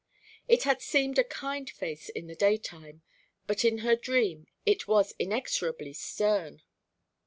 It had seemed a kind face in the day time, but in her dream it was inexorably stern.